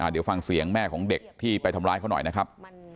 เดี๋ยวฟังเสียงแม่ของเด็กที่ไปทำร้ายเขาหน่อยนะครับ